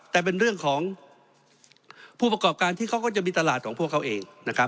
แต่เป็นเรื่องของผู้ประกอบการที่เขาก็จะมีตลาดของพวกเขาเองนะครับ